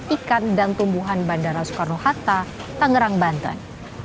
ikan dan tumbuhan bandara soekarno hatta tangerang banten